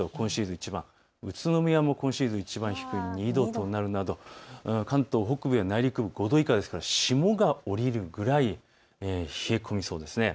いちばん、宇都宮も今シーズンいちばん低い２度となるなど関東北部や内陸部など５度以下ですから、霜が降りるくらい冷え込みそうです。